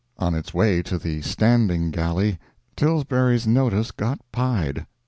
On its way to the standing galley Tilbury's notice got pied.